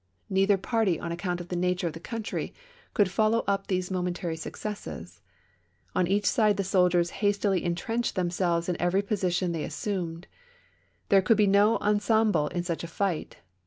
Neither party, on account of the nature of the country, could follow up these momentary successes. On each side the soldiers hastily intrenched themselves in every position they assumed. There could be no ensemble in such a fight.